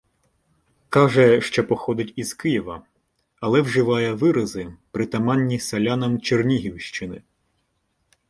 Каже, що походить із Києва, але вживає вирази, притаманні селянам Чернігівщини.